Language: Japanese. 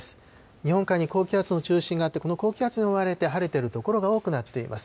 日本海に高気圧の中心があって、この高気圧に覆われて晴れてる所が多くなっています。